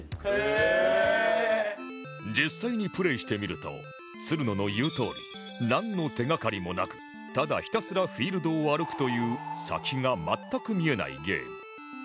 実際にプレイしてみるとつるのの言うとおりなんの手がかりもなくただひたすらフィールドを歩くという先が全く見えないゲーム